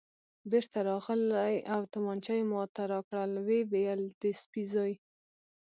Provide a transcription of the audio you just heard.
بېرته راغلی او تومانچه یې ما ته راکړل، ویې ویل: د سپي زوی.